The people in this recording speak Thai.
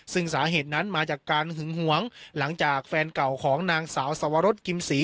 ซึ่งสาเหตุนั้นมาจากการหึงหวงหลังจากแฟนเก่าของนางสาวสวรสกิมศรี